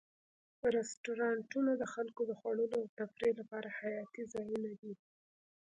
رستورانتونه د خلکو د خوړلو او تفریح لپاره حیاتي ځایونه دي.